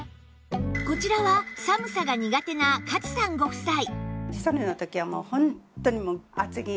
こちらは寒さが苦手な勝さんご夫妻